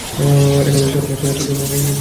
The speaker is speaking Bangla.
এই নববর্ষে আপনার সমস্ত কামনা পূর্ণ হউক।